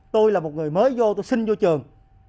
tôi là một người mới vô tôi xin vô trường